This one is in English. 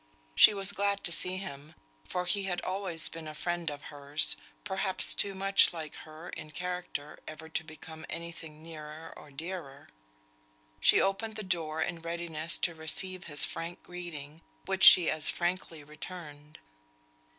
She was glad to see him, for he had always been a friend of hers, perhaps too much like her in character ever to become any thing nearer or dearer. She opened the door in readiness to receive his frank greeting, which she as frankly returned.